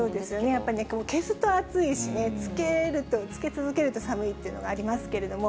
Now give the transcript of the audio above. やっぱり消すと暑いし、つけると、つけ続けると寒いっていうのがありますけれども。